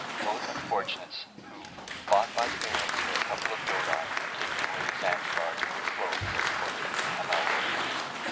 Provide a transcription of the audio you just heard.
those unfortunates who, bought by the Arabs for a couple of doti, are taken away to Zanzibar to pick cloves, or do hamal work!